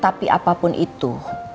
tapi apapun itu